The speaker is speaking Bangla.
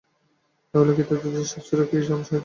তাহলে কি তাঁর জ্যোতিষ শাস্ত্র তাঁকে সাহায্য করেছে?